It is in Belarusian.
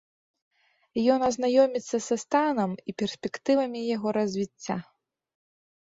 Ён азнаёміцца са станам і перспектывамі яго развіцця.